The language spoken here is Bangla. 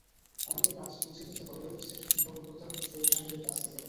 আমাকে কাজ বুঝে নিতে হবে অফিসের বড়কর্তা শরিফ সাহেবের কাছ থেকে।